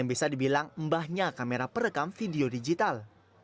bisa dibilang embahnya kamera perekam video digital